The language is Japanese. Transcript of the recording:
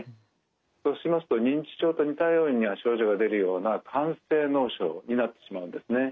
そうしますと認知症と似たような症状が出るような肝性脳症になってしまうんですね。